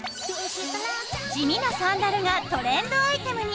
地味なサンダルがトレンドアイテムに！